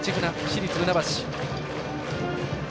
市立船橋。